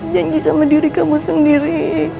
janji sama diri kamu sendiri